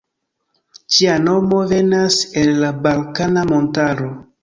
Ĝia nomo venas el la Balkana Montaro.